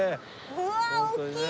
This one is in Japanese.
うわあ大きい！